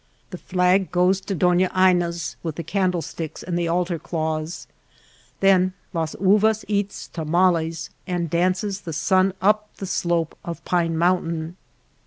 The flag goes to Dona Ina's, with the candlesticks and the altar cloths, then Las Uvas eats tamales and dances the sun up the slope of Pine Mountain.